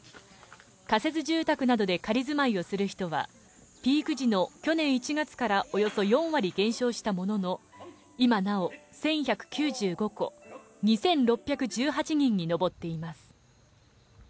仮設住宅などで仮住まいをする人は、ピーク時の去年１月からおよそ４割減少したものの、今なお、１１９５戸、２６１８人に上っています。